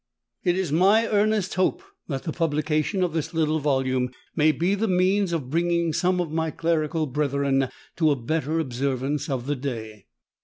It is my earnest hope that the publication of this little volume may be the means of bringing some of my clerical brethren to a better observance of the day.